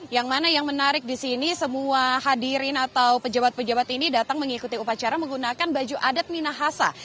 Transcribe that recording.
yang mana yang menarik di sini semua hadirin atau pejabat pejabat ini datang mengikuti upacara menggunakan baju adat minahasa